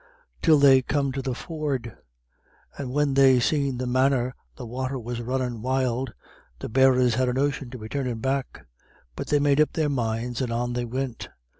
Till they come to the ford, and when they seen the manner the wather was runnin' wild, the bearers had a notion to be turnin' back; but they made up their minds, and on they wint.